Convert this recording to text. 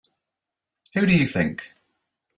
Who do you think?